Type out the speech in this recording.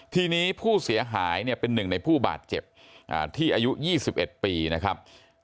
ทีนี้ผู้เสียหายเป็น๑ในผู้บาดเจ็บที่อายุ๒๑ปีนะครับ